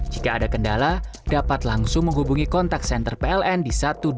jika ada kendala dapat langsung menghubungi kontak senter pln di satu ratus dua puluh